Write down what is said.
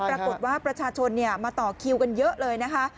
ปรากฏว่าประชาชนมาต่อคิวกันเยอะเลยนะคะ